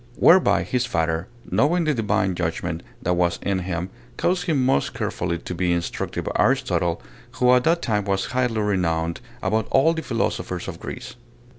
Whereby his father, knowing the divine judgment that was in him, caused him most carefully to be instructed by Aristotle, who at that time was highly renowned above all the philosophers of Greece.